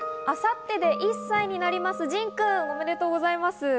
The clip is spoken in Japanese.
明後日で１歳になります仁くん、おめでとうございます。